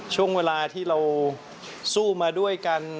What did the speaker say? ช่วงเวลาที่เราสู้มาด้วยกัน